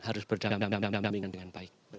harus berdampingan dengan baik